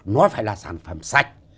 nó phải là sản phẩm sạch